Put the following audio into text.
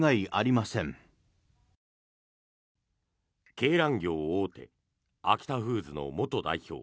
鶏卵業大手アキタフーズの元代表